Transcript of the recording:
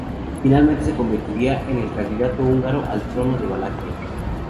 Finalmente se convertiría en el candidato húngaro al trono de Valaquia.